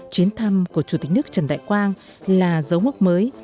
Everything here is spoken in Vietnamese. chuyến thăm của chủ tịch nước trần đại quang là dấu mốc mới